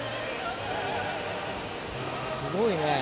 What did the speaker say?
すごいね。